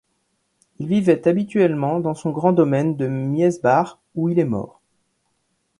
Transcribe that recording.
Il vivait habituellement dans son grand domaine de Miesbach où il est mort.